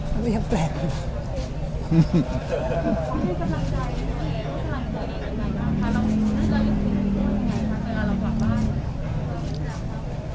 มันก็ยังแปลกเลย